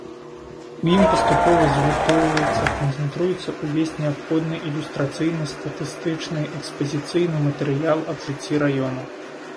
У ім паступова згуртоўваецца, канцэнтруецца ўвесь неабходны ілюстрацыйны, статыстычны, экспазіцыйны матэрыял аб жыцці раёну.